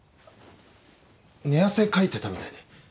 寝汗かいてたみたいで。